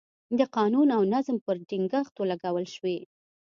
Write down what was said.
د قانون او نظم پر ټینګښت ولګول شوې.